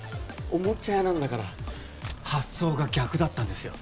おもちゃ屋なんだから発想が逆だったんですよ